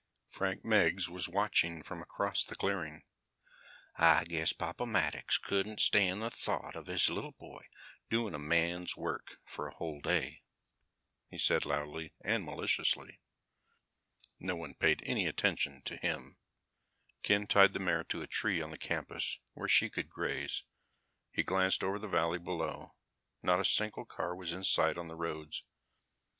Frank Meggs was watching from across the clearing. "I guess Papa Maddox couldn't stand the thought of his little boy doing a man's work for a whole day," he said loudly and maliciously. No one paid any attention to him. Ken tied the mare to a tree on the campus where she could graze. He glanced over the valley below. Not a single car was in sight on the roads.